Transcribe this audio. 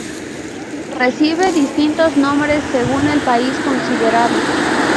Recibe distintos nombres según el país considerado.